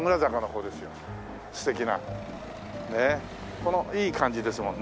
このいい感じですもんね。